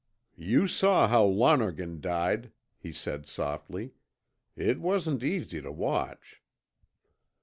"You saw how Lonergan died," he said softly. "It wasn't easy to watch."